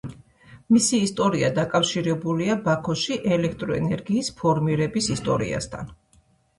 მისი ისტორია დაკავშირებულია ბაქოში ელექტროენერგიის ფორმირების ისტორიასთან.